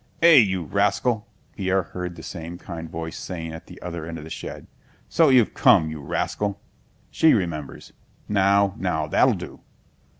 "Eh, you rascal!" Pierre heard the same kind voice saying at the other end of the shed. "So you've come, you rascal? She remembers... Now, now, that'll do!"